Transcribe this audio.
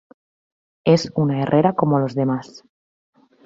Es una herrera como los demás.